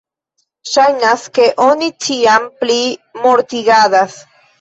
Ŝajnas, ke oni ĉiam pli mortigadas.